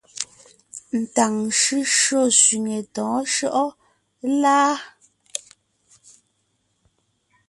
Ntàŋ shʉ́shyó sẅiŋe tɔ̌ɔn shʉ́shyó láa ?